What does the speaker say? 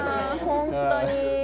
本当に。